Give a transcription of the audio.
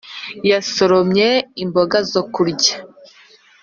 yasoromye imboga zo kurya.